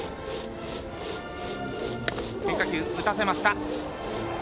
変化球、打たせました。